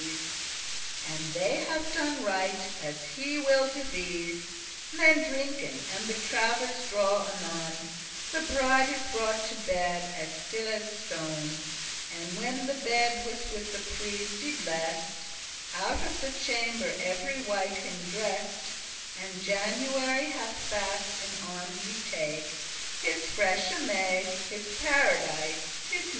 *everyone leave* And they have done right as he will devise. Men drinken, and the travers* draw anon; *curtains The bride is brought to bed as still as stone; And when the bed was with the priest y bless'd, Out of the chamber every wight him dress'd, And January hath fast in arms y take His freshe May, his paradise, his make.